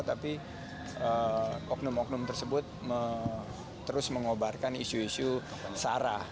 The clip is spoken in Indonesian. tapi oknum oknum tersebut terus mengobarkan isu isu sarah